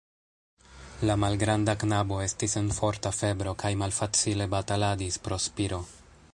La malgranda knabo estis en forta febro kaj malfacile bataladis pro spiro.